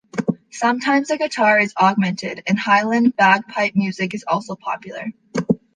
Sometimes a guitar is augmented, and Highland bagpipe music is also popular.